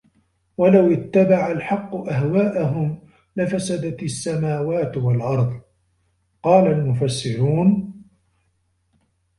وَلَوْ اتَّبَعَ الْحَقُّ أَهْوَاءَهُمْ لَفَسَدَتْ السَّمَوَاتُ وَالْأَرْضُ قَالَ الْمُفَسِّرُونَ